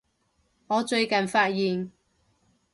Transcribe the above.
我最近發現